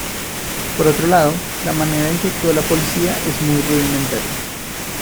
Por otro lado, la manera en que actúa la policía es muy rudimentaria.